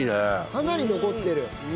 かなり残ってる。